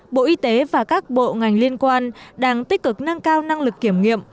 bộ y tế và các bộ ngành liên quan đang tích cực nâng cao năng lực kiểm nghiệm